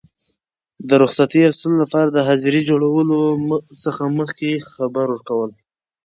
د رخصتي اخیستلو لپاره د حاضرۍ جوړولو څخه مخکي خبر ورکول.